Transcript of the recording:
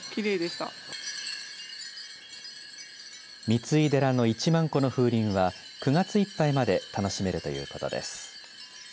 三井寺の１万個の風鈴は９月いっぱいまで楽しめるということです。